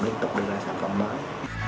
liên tục đưa ra sản phẩm mới